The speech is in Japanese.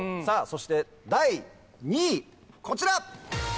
そして第２位こちら！